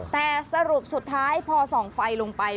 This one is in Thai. แต่สรุปสุดท้ายพอส่องไฟลงไป